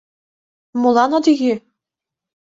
Молан от йӱ?